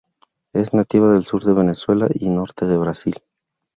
Es nativa del sur de Venezuela y norte de Brasil.